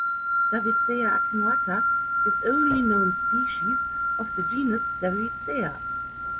"Davidsea attenuata" is only known species of the genus Davidsea.